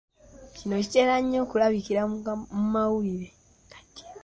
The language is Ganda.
Kino kitera nnyo okulabikira mu mawulire.